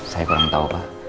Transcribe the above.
saya kurang tahu pak